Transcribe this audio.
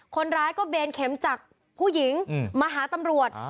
คนร้ายก็เบนเข็มจากผู้หญิงมาหาตำรวจ